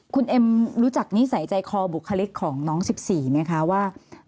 คุณเอ็มรู้จักนิสัยใจคอบุคลิกของน้อง๑๔ไหมคะว่า